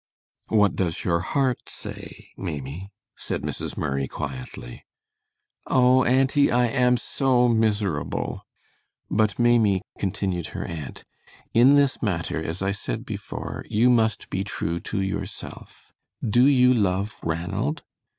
"What does your heart say, Maimie?" said Mrs. Murray, quietly. "Oh, auntie, I am so miserable!" "But, Maimie," continued her aunt, "in this matter, as I said before, you must be true to yourself. Do you love Ranald?"